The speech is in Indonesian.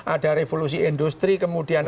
ada revolusi industri kemudian